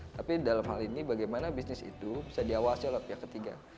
tapi dalam hal ini bagaimana bisnis itu bisa diawasi oleh pihak ketiga